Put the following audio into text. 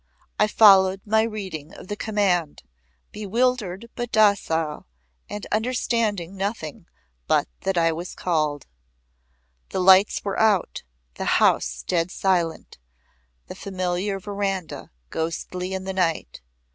I followed my reading of the command, bewildered but docile, and understanding nothing but that I was called. The lights were out. The house dead silent; the familiar veranda ghostly in the night.